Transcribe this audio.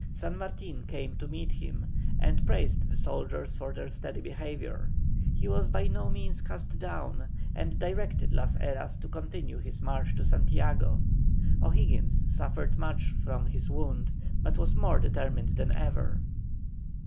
San Martin came to meet him, and praised the soldiers for their steady behaviour. He was by no means cast down, and directed Las Heras to continue his march to Santiago. O'Higgins suffered much from his wound, but was more determined than ever.